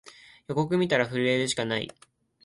予告みたら震えるしかない